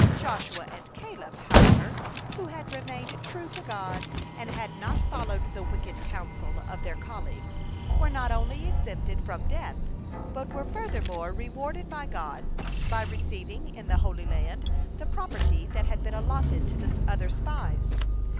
Joshua and Caleb, however, who had remained true to God and had not followed the wicked counsel of their colleagues, were not only exempted from death, but were furthermore rewarded by God, by receiving in the Holy Land the property that had been allotted to the other spies.